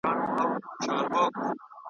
په تعویذ مو قسمتونه چپه کیږي .